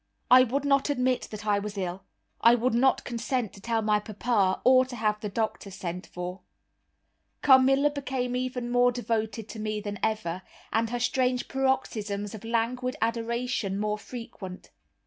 I would not admit that I was ill, I would not consent to tell my papa, or to have the doctor sent for. Carmilla became more devoted to me than ever, and her strange paroxysms of languid adoration more frequent.